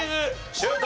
シュート！